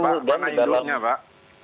mana indoknya pak